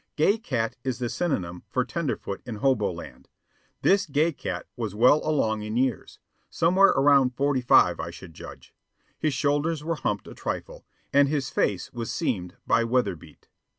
Gay cat is the synonym for tenderfoot in Hobo Land. This gay cat was well along in years somewhere around forty five, I should judge. His shoulders were humped a trifle, and his face was seamed by weather beat.